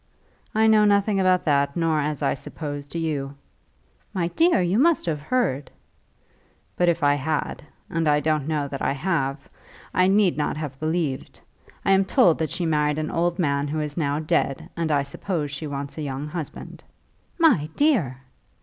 "I know nothing about that, nor, as I suppose, do you." "My dear, you must have heard." "But if I had, and I don't know that I have, I need not have believed. I am told that she married an old man who is now dead, and I suppose she wants a young husband." "My dear!"